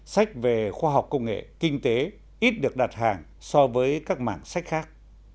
sách về khoa học công nghệ kinh tế ít được đặt hàng so với các mảng sách khác